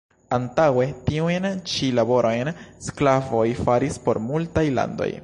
Antaŭe tiujn ĉi laborojn sklavoj faris por multaj landoj.